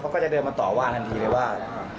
เขาก็จะเดินมาต่อว่าทันทีเลยว่า